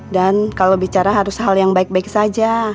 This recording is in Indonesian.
dan kalau bicara harus hal yang baik baik saja